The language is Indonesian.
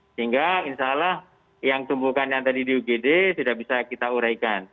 sehingga insya allah yang tumbuhkan yang tadi di ugd tidak bisa kita uraikan